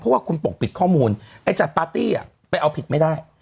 เพราะว่าคุณปกปิดข้อมูลไอ้จัดปาร์ตี้ไปเอาผิดไม่ได้